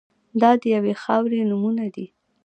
دا د یوې خاورې نومونه دي.